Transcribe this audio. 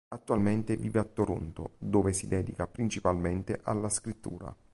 Attualmente vive a Toronto, dove si dedica principalmente alla scrittura.